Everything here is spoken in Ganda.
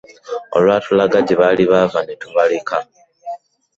Olwatulaga gye baali bava ne tubaleka.